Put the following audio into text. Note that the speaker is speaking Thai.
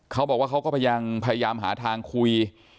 เขาบอกว่าเขาก็พยายามหาทางคุย